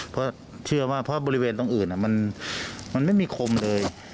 เพราะเชื่อว่าเพราะบริเวณตรงอื่นมันไม่มีคมเลย